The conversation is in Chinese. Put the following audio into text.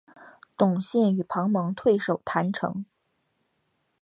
董宪与庞萌退守郯城。